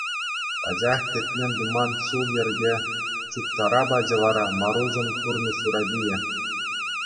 Пачах кӗтмен-туман ҫул-йӗрпе чуптара пачӗ вара Маруҫӑн пурнӑҫ урапийӗ.